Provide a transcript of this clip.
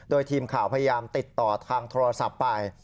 โดยทีมข่าวพยายามติดต่อทางโทรศัพท์ไป